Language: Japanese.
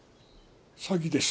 詐欺です。